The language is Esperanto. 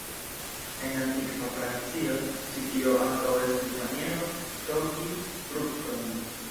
En antikva Francio, ĉi tio ankaŭ estis maniero stoki fruktojn.